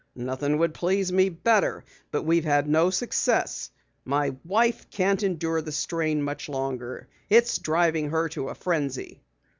"Nothing would please me better. But we've had no success. My wife can't endure the strain much longer. It's driving her to a frenzy."